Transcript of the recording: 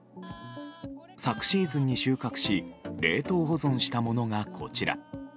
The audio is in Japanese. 昨シーズンに収穫し冷凍保存したものが、こちら。